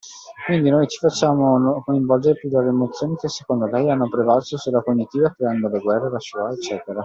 Quindi noi ci facciamo coinvolgere più dall'emozioni che secondo lei hanno prevalso sulla cognitiva creando le guerre, la shoa ecc.